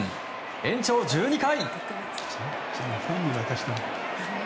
延長１２回。